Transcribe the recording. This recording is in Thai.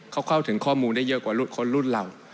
เขาเข้าถึงข้อมูลได้เยอะกว่าคนรุ่นเรา